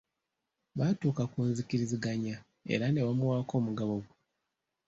Baatuuka ku nzikiriziganya era ne bamuwaako omugabo gwe.